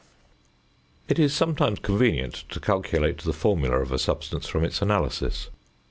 It is sometimes convenient to calculate the formula of a substance from its analysis.